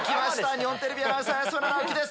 日本テレビアナウンサー安村直樹です。